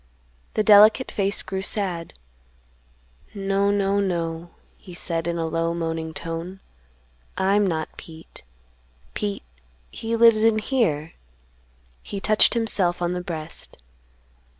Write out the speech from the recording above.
The delicate face grew sad: "No, no, no," he said in a low moaning tone; "I'm not Pete; Pete, he lives in here;" he touched himself on the breast.